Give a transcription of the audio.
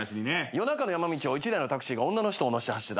夜中の山道を１台のタクシーが女の人を乗せて走ってた。